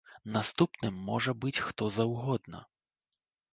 Наступным можа быць хто заўгодна.